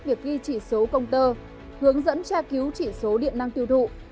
việc ghi chỉ số công tơ hướng dẫn tra cứu chỉ số điện năng tiêu thụ